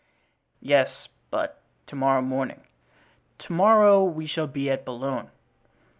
"Yes, but to morrow morning——" "To morrow we shall be at Boulogne."